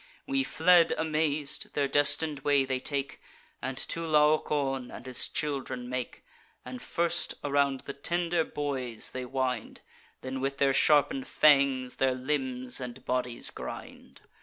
We fled amaz'd; their destin'd way they take, And to Laocoon and his children make; And first around the tender boys they wind, Then with their sharpen'd fangs their limbs and bodies grind.